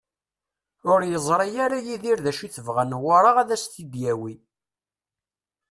Ur yeẓri ara Yidir d acu i tebɣa Newwara ad as-t-id-yawi.